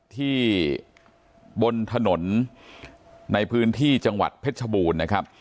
บนถนนในพื้นที่จังหวัดเพชรชบูรณ์นะครับ